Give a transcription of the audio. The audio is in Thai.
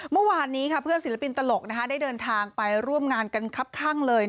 เมื่อวานนี้เพื่อนศิลปินตลกได้เดินทางไปร่วมงานกันครับข้างเลย